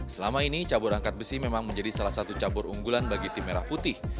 selama ini cabur angkat besi memang menjadi salah satu cabur unggulan bagi tim merah putih